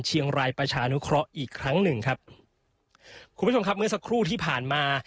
เชียงรายประชานุเคราะห์อีกครั้งหนึ่งครับคุณผู้ชมครับเมื่อสักครู่ที่ผ่านมา